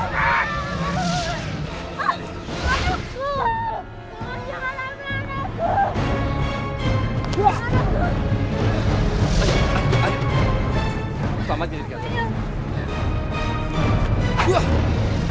bapak dan diri kalian cepat